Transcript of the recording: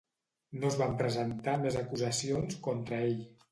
No es van presentar més acusacions contra ell.